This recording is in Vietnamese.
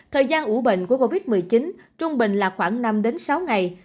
thời gian ủ bệnh của covid một mươi chín trung bình là khoảng năm sáu ngày